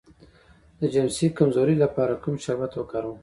د جنسي کمزوری لپاره کوم شربت وکاروم؟